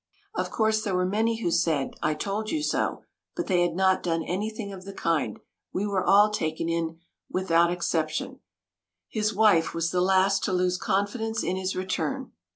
Of course, there were many who said, "I told you so," but they had not done anything of the kind; we were all taken in without exception. His wife was the last to lose confidence in his return.